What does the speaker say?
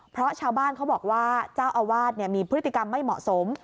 เพราะชาวบ้านเขาบอกว่าเจ้าอาวาสมีพฤติกรรมไม่เหมาะสม